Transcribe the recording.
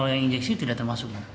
yang injeksi tidak termasuk